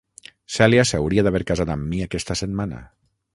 Cèlia s'hauria d'haver casat amb mi aquesta setmana.